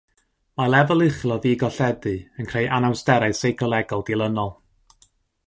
Mae lefel uchel o ddigolledu yn creu anawsterau seicolegol dilynol.